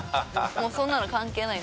もうそんなの関係ない。